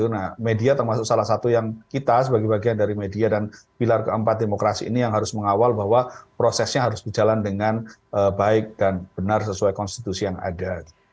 nah media termasuk salah satu yang kita sebagai bagian dari media dan pilar keempat demokrasi ini yang harus mengawal bahwa prosesnya harus berjalan dengan baik dan benar sesuai konstitusi yang ada